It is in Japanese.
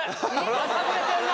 やさぐれてんな